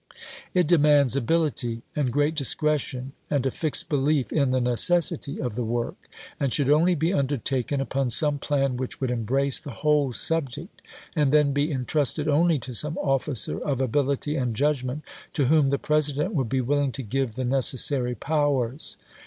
It demands ability and great discretion and a fixed belief in the necessity of the work, and should only be undertaken upon some plan which would embrace the whole subject, and then be in trusted only to some officer of ability and judgment to whom the President would be willing to give the neces sary powers.